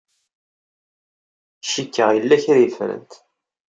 Cikkeɣ yella kra ay ffrent.